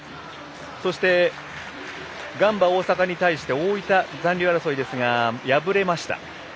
そして、ガンバ大阪に対して大分、残留争いですが敗れました。